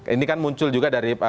ini kan muncul juga dari